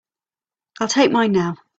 I'll take mine now.